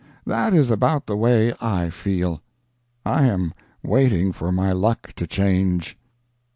That is about the way I feel. I am waiting for my luck to change.